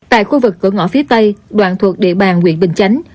tại khu vực cửa ngõ phía tây đoạn thuộc địa bàn nguyện bình chánh